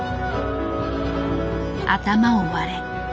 「頭を割れ」。